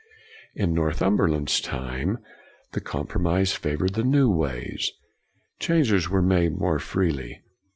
In Northumberland's time, the compromise favored the new ways; changes were made more freely.